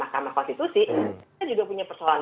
mahkamah konstitusi kita juga punya persoalan